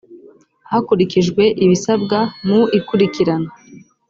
hakurikijwe ibisabwa mu ikurikirana